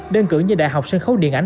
đơn cử như đại học sân khấu điện ảnh